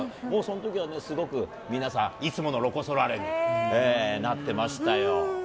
もうそのときはすごく皆さん、いつものロコ・ソラーレになってましたよ。